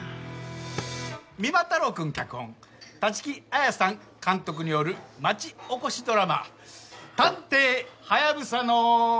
三馬太郎くん脚本立木彩さん監督による町おこしドラマ『探偵ハヤブサの』。